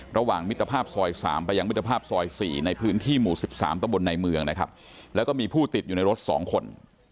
ระหว่างมิตภาพซอย๓ไปอย่างมิตภาพซอย๔ในพื้นที่หมู่๑๓ต้องบนในเมืองแล้วก็มีผู้ติดอยู่ในรถ๒คน